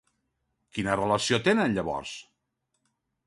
Quina relació tenen llavors?